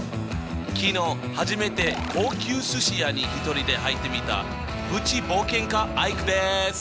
昨日初めて高級すし屋に一人で入ってみたプチ冒険家アイクです！